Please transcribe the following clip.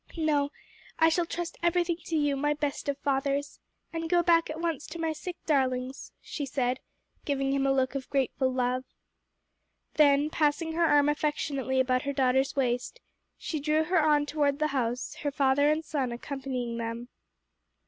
"No, I shall trust everything to you, my best of fathers, and go back at once to my sick darlings," she said, giving him a look of grateful love. Then passing her arm affectionately about her daughter's waist, she drew her on toward the house, her father and son accompanying them.